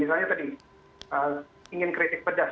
misalnya tadi ingin kritik pedas